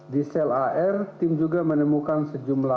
di sel ar tim juga mengamankan dokumen pembelian